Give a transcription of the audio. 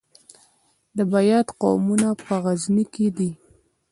د بیات قومونه په غزني کې دي